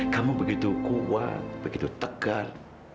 kamu begitu kuat begitu tegar